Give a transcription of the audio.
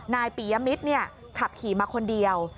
นายปียมิตรขับขี่มาคนเดียว